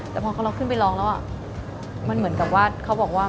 แต่พอเราขึ้นไปร้องแล้วมันเหมือนกับว่าเขาบอกว่า